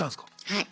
はい。